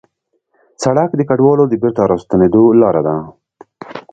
سړک د کډوالو د بېرته راستنېدو لاره ده.